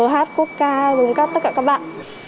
hát quốc ca đồng cấp tất cả các bạn